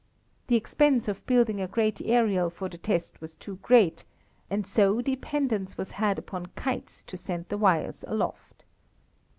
The expense of building a great aerial for the test was too great, and so dependence was had upon kites to send the wires aloft.